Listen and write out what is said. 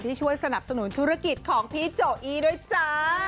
ช่วยสนับสนุนธุรกิจของพี่โจอี้ด้วยจ้า